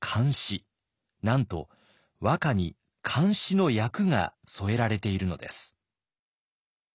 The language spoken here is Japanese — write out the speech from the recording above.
なんと和歌に漢詩の訳が添えられているのです。